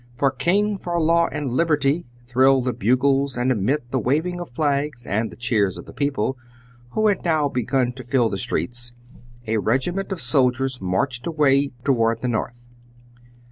"For King, for law and liberty!" thrilled the bugles, and amidst the waving of flags, and the cheers of the people, who had now begun to fill the streets, a regiment of soldiers marched away toward the north.